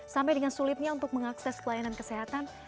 sampai dengan sulitnya untuk mengakses pelayanan kesehatan